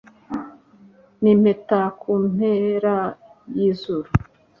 nimpeta kumpera yizuru